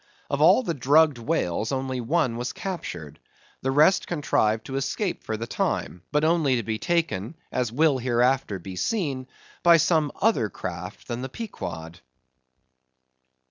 Of all the drugged whales only one was captured. The rest contrived to escape for the time, but only to be taken, as will hereafter be seen, by some other craft than the Pequod.